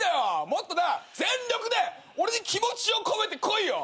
もっとな全力で俺に気持ちを込めてこいよ！